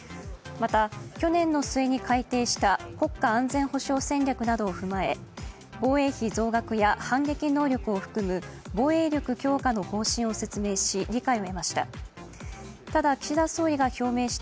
また、去年の末に改定した国家安全保障戦略などを踏まえ、防衛費増額や反撃能力を含む防衛力強化の方針を説明し理解を得ました。